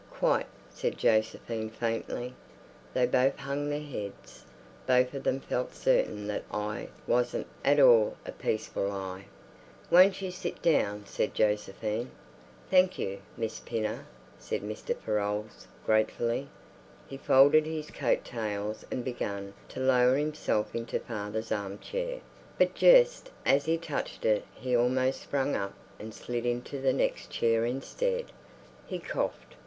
"Quite," said Josephine faintly. They both hung their heads. Both of them felt certain that eye wasn't at all a peaceful eye. "Won't you sit down?" said Josephine. "Thank you, Miss Pinner," said Mr. Farolles gratefully. He folded his coat tails and began to lower himself into father's arm chair, but just as he touched it he almost sprang up and slid into the next chair instead. He coughed.